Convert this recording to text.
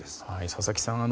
佐々木さん